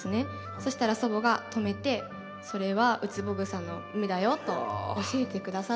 そしたら祖母が止めてそれはウツボグサの芽だよと教えてくださったんですね。